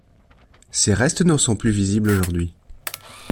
Ses restes ne sont plus visibles aujourd'hui.